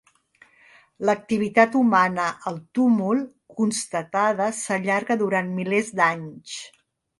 L'activitat humana al túmul constatada s'allarga durant milers d'anys.